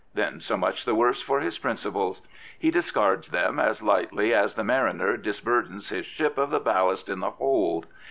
Then so much the worse for his principles. He discards them as lightly as the mariner disburdens his ship of the ballast in the hold.